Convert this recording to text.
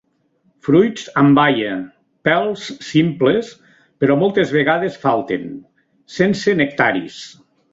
Fruits amb baia. Pèls simples, però moltes vegades falten. Sense nectaris.